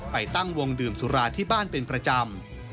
ตั้งวงดื่มสุราที่บ้านเป็นประจำ